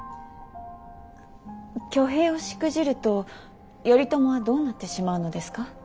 挙兵をしくじると頼朝はどうなってしまうのですか。